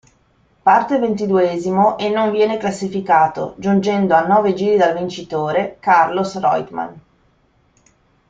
Parte ventiduesimo e non viene classificato giungendo a nove giri dal vincitore, Carlos Reutemann.